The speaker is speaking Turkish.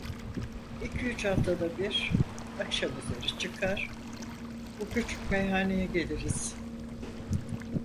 İki üç haftada bir, akşam üzeri çıkar, bu küçük meyhaneye geliriz.